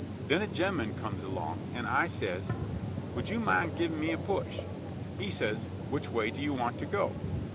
Then a gem'en comes along, an' I says, "Would you min' givin' me a push?" He says, "Which way you want to go?"